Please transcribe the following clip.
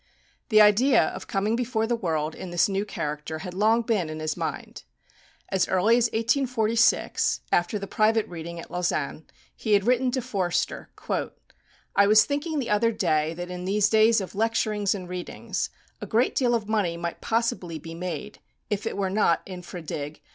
The idea of coming before the world in this new character had long been in his mind. As early as 1846, after the private reading at Lausanne, he had written to Forster: "I was thinking the other day that in these days of lecturings and readings, a great deal of money might possibly be made (if it were not _infra dig.